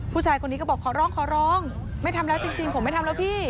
ผู้ชายคนนี้ก็บอกขอร้องขอร้องไม่ทำแล้วจริงผมไม่ทำแล้วพี่